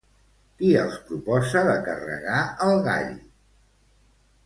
Qui els proposa de carregar el gall?